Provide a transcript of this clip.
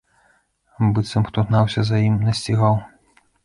Быццам хто гнаўся за ім, насцігаў.